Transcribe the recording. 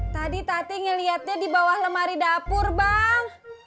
tadi tati ngeliatnya di bawah lemari dapur bang